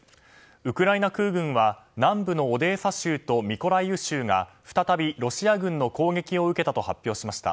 ウクライナ空軍は南部のオデーサ州とミコライウ州が、再びロシア軍の攻撃を受けたと発表しました。